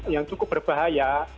yang cukup berbahaya